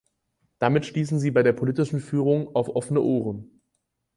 Damit stießen sie bei der politischen Führung auf offene Ohren.